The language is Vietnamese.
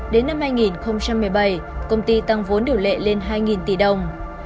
đến năm hai nghìn một mươi bảy công ty tăng vốn điều lệ lên hai tỷ đồng